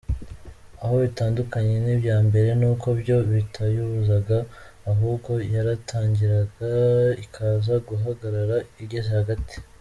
Aho bitandukaniye n’ibya mbere, nuko byo bitayibuzaga , ahubwo yaratangiraga ikaza guhagarara igeze hagati.